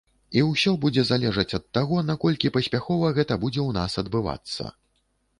І ўсё будзе залежаць ад таго, наколькі паспяхова гэта будзе ў нас адбывацца.